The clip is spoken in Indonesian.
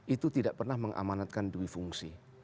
itu tidak pernah mengamanatkan dui fungsi